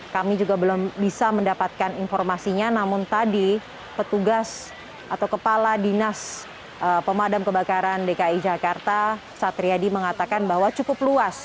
kami juga belum bisa mendapatkan informasinya namun tadi petugas atau kepala dinas pemadam kebakaran dki jakarta satriadi mengatakan bahwa cukup luas